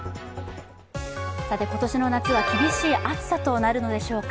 さて今年の夏は厳しい暑さとなるのでしょうか。